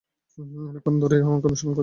অনেকক্ষণ ধরেই আমাকে অনুসরণ করছেন কেন?